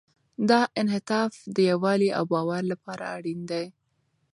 دا انعطاف د یووالي او باور لپاره اړین دی.